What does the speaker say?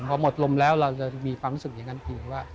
พอหมดลมแล้วเราจะมีความรู้สึกอย่างนั้นอีกว่า